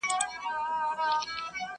لکه ګل په پرېشانۍ کي مي خندا ده.!